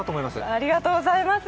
ありがとうございます。